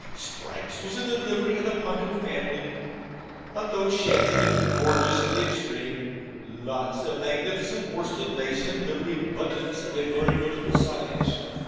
Stripes was in the livery of the Ponto family a thought shabby, but gorgeous in the extreme lots of magnificent worsted lace, and livery buttons of a very notable size.